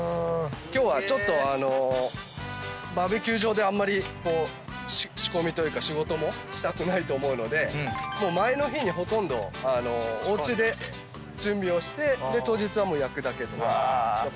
今日はちょっとバーベキュー場であんまり仕込みというか仕事もしたくないと思うので前の日にほとんどおうちで準備をして当日はもう焼くだけという。